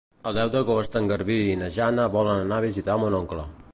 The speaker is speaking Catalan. El deu d'agost en Garbí i na Jana volen anar a visitar mon oncle.